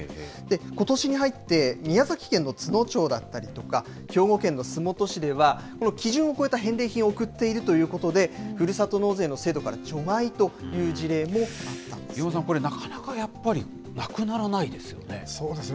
ことしに入って、宮崎県の都農町だったりとか、兵庫県の洲本市では、この基準を超えた返礼品を送っているということで、ふるさと納税の制度から除外という事例も岩間さん、これ、なかなかやそうですね。